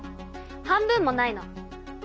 半分もないの。